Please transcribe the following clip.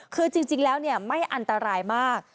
คือจริงแล้วไม่อันตรายมาก